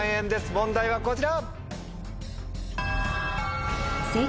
問題はこちら。